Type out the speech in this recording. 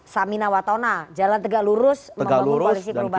samina watona jalan tegak lurus membangun koalisi perubahan